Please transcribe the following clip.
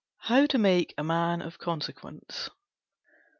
HOW TO MAKE A MAN OF CONSEQUENCE.